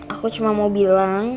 aku cuma mau bilang